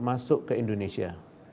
masuk ke indonesia